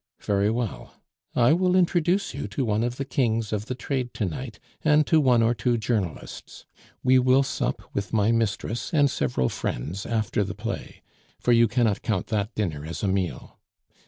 Very well, I will introduce you to one of the kings of the trade to night, and to one or two journalists. We will sup with my mistress and several friends after the play, for you cannot count that dinner as a meal.